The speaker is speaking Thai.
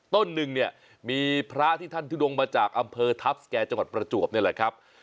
ต้นหนึ่งเนี่ยมีพระที่ท่านทุดงมาจากอำเภอทัพสแก่จังหวัดประจวบนี่แหละครับ